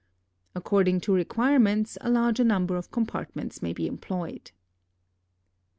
According to requirements a larger number of compartments may be employed.